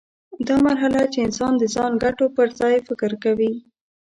دا مرحله چې انسان د ځان ګټو پر ځای فکر کوي.